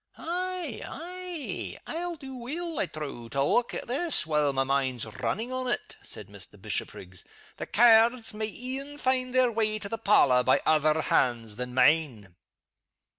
"Ay! ay! I'll do weel, I trow, to look at this while my mind's runnin' on it," said Mr. Bishopriggs. "The cairds may e'en find their way to the parlor by other hands than mine."